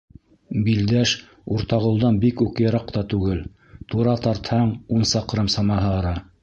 Билдәш Уртағолдан бик үк йыраҡ та түгел, тура тартһаң, ун саҡрым самаһы ара.